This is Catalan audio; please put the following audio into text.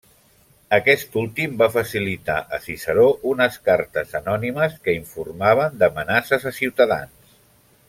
Aquest últim va facilitar a Ciceró unes cartes anònimes que informaven d'amenaces a ciutadans.